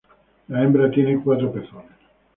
La hembra tiene cuatro pezones.